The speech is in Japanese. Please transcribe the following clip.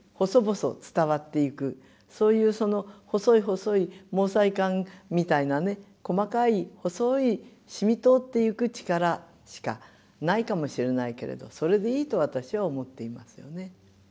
そういうその細い細い毛細管みたいなね細かい細いしみ通っていく力しかないかもしれないけれどそれでいいと私は思っていますよね。